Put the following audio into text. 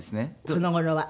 この頃は。